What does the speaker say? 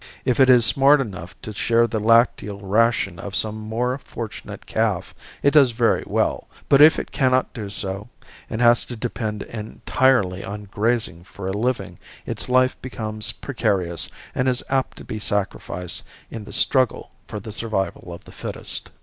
If it is smart enough to share the lacteal ration of some more fortunate calf it does very well, but if it cannot do so and has to depend entirely on grazing for a living its life becomes precarious and is apt to be sacrificed in the "struggle for the survival of the fittest."